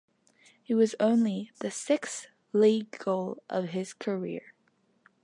It was only the sixth league-goal of his career.